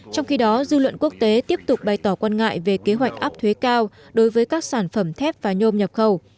trong khi đó dư luận quốc tế tiếp tục bày tỏ quan ngại về kế hoạch áp thuế cao đối với các sản phẩm thép và nhôm nhập khẩu